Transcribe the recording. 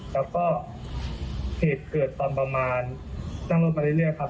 แล้วก็เหตุเกิดตอนประมาณนั่งรถมาเรื่อยครับ